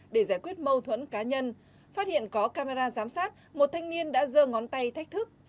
để giải quyết mâu thuẫn cá nhân phát hiện có camera giám sát một thanh niên đã dơ ngón tay thách thức